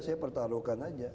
saya pertaruhkan aja